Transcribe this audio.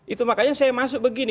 itu makanya saya masuk begini